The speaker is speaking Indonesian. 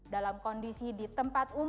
dalam kondisi di tempat umum